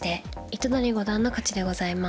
糸谷五段の勝ちでございます。